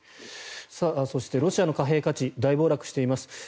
そして、ロシアの貨幣価値大暴落しています。